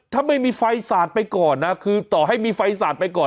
ถ้าไม่มีไฟสาดไปก่อนนะคือต่อให้มีไฟสาดไปก่อน